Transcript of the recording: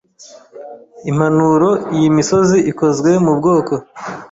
Impanuro Iyi misozi ikozwe mubwoko